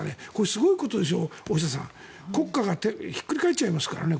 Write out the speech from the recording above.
すごいことですよ、大下さん国家がひっくり返っちゃいますからね。